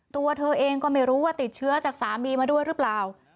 ตัวเธอเองก็ไม่รู้ว่าติดเชื้อจากสามีมาด้วยหรือเปล่า